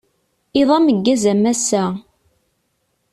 Iḍ ameggaz a massa.